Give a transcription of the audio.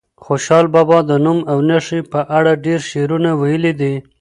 خوشحال بابا د نوم او نښې په اړه ډېر شعرونه ویلي دي.